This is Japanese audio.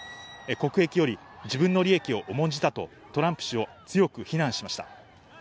国益より自分の利益を重んじたとトランプ氏を強く非難しました。